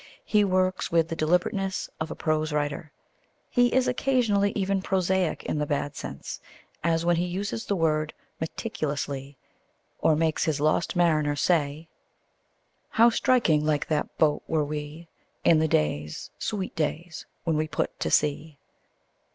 He works with the deliberateness of a prose writer. He is occasionally even prosaic in the bad sense, as when he uses: the word "meticulously," or makes his lost mariners say: How striking like that boat were we In the days, sweet days, when we put to sea.